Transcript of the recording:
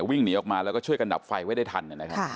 วิ่งหนีออกมาแล้วก็ช่วยกันดับไฟไว้ได้ทันนะครับ